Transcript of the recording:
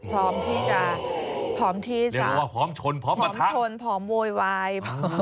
พร้อมที่จะพร้อมที่จะบอกว่าพร้อมชนพร้อมบรรทุกชนพร้อมโวยวาย